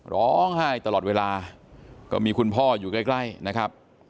ร้องไห้ตลอดเวลาก็มีคุณพ่ออยู่ใกล้นะครับ